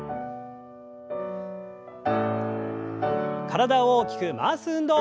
体を大きく回す運動。